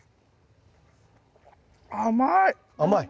甘い！